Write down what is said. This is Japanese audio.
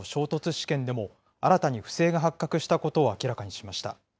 試験でも、新たに不正が発覚したことを明らかにしました。